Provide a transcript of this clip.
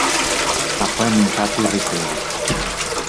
Ha poi annunciato il ritiro.